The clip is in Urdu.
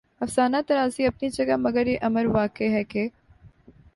افسانہ طرازی اپنی جگہ مگر یہ امر واقعہ ہے کہ